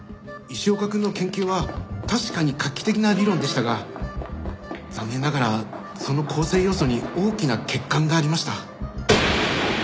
石岡くんの研究は確かに画期的な理論でしたが残念ながらその構成要素に大きな欠陥がありました。